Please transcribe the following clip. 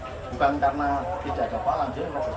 karena tidak ada palang jadi nggak ada palang